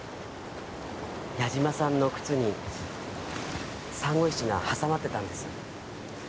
矢島さんの靴にサンゴ石が挟まってたんです